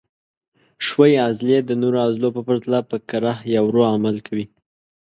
ښویې عضلې د نورو عضلو په پرتله په کراه یا ورو عمل کوي.